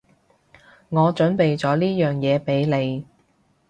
我準備咗呢樣嘢畀你